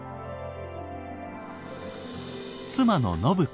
妻の信子。